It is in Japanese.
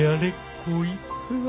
こいつは。